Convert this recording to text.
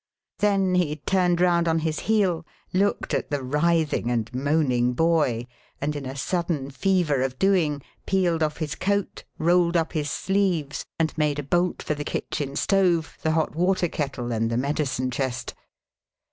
Then he turned round on his heel, looked at the writhing and moaning boy, and in a sudden fever of doing, peeled off his coat, rolled up his sleeves, and made a bolt for the kitchen stove, the hot water kettle, and the medicine chest.